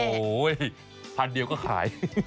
โอ้โหพันเดียวก็ขาย